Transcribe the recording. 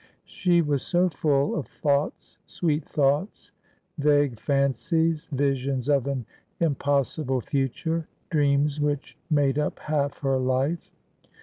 She was so full of thoughts, sweet thoughts, vague fancies, visions of an impos sible future, dreams which made up half her life.